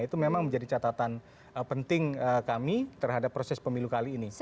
itu memang menjadi catatan penting kami terhadap proses pemilu kali ini